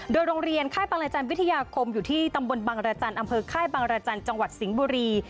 โดยโรงเรียนค่ายปารจันทร์วิทยาคมอยู่ที่ตำบลบังรจันทร์อำเภอค่ายบังรจันทร์จังหวัดสิงห์บุรี